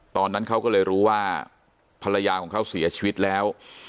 ตอนนั้นเขาก็เลยรู้ว่าภรรยาของเขาเสียชีวิตแล้ว